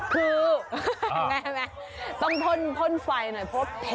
คือยังไงต้องพลไฟหน่อยเพราะเผ็ด